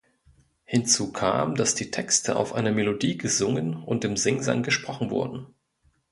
Hinzu kam, dass die Texte auf eine Melodie gesungen oder im Singsang gesprochen wurden.